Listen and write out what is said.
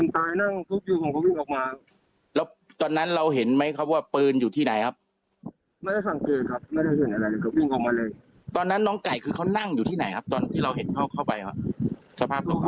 ตอนนั้นเห็นไหมครับว่าปืนอยู่ที่ไหนครับตอนนั้นน้องไก่คือนั่งอยู่ที่ไหนครับตอนที่เราเห็นเขาเข้าไปอะสภาพ